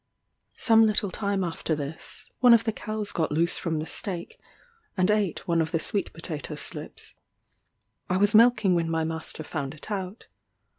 Some little time after this, one of the cows got loose from the stake, and eat one of the sweet potatoe slips. I was milking when my master found it out.